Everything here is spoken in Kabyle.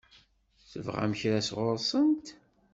Tebɣam kra sɣur-sent?